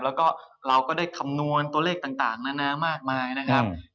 แล้วก็เราก็ได้คำนวณตัวเลขต่างนานามากมายนะครับ